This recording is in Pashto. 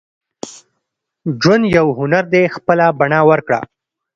• ژوند یو هنر دی، خپله بڼه ورکړه.